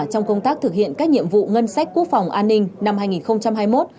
trong công tác thực hiện các nhiệm vụ ngân sách quốc phòng an ninh năm hai nghìn hai mươi một